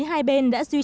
hai bên đã duy trì